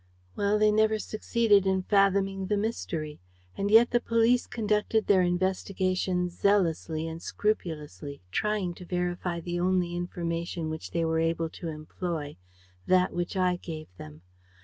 "Well, they never succeeded in fathoming the mystery. And yet the police conducted their investigations zealously and scrupulously, trying to verify the only information which they were able to employ, that which I gave them.